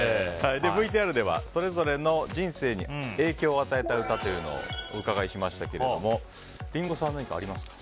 ＶＴＲでは、人生に影響を与えたという歌をお伺いしましたがリンゴさんは何かありますか。